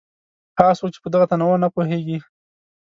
هغه څوک چې په دغه تنوع نه پوهېږي.